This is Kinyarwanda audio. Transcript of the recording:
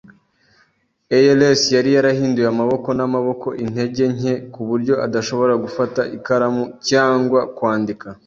ALS yari yarahinduye amaboko n'amaboko intege nke kuburyo adashobora gufata ikaramu cyangwa kwandika.